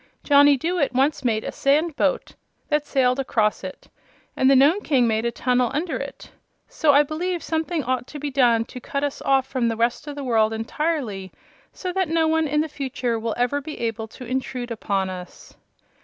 "Johnny Dooit once made a sand boat that sailed across it, and the Nome King made a tunnel under it. So I believe something ought to be done to cut us off from the rest of the world entirely, so that no one in the future will ever be able to intrude upon us."